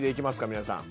皆さん。